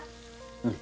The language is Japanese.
うん。